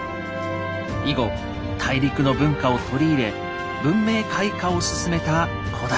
以後大陸の文化を取り入れ文明開化を進めた古代日本。